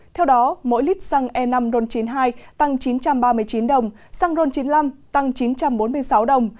theo đó mỗi lít xăng e năm ron chín mươi hai tăng chín trăm ba mươi chín đồng xăng ron chín mươi năm tăng chín trăm bốn mươi sáu đồng